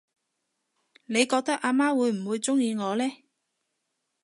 你覺得阿媽會唔會鍾意我呢？